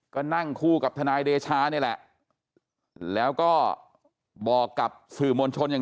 ก็นั่งคู่กับทนายเดชานี่แหละแล้วก็บอกกับสื่อมวลชนอย่าง